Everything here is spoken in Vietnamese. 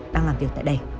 đang làm việc tại đây